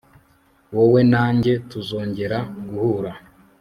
wowe na njye tuzongera guhura